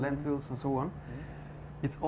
lentil dan lain lain itu juga